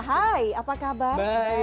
hai apa kabar